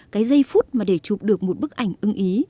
cái giây phút mà để chụp được một bức ảnh ưng ý